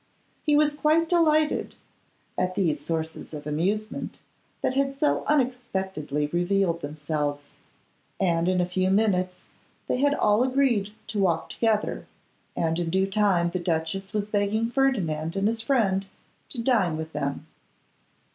He was quite delighted at these sources of amusement, that had so unexpectedly revealed themselves; and in a few minutes they had all agreed to walk together, and in due time the duchess was begging Ferdinand and his friend to dine with them.